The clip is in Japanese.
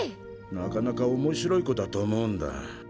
なかなか面白い子だと思うんだ。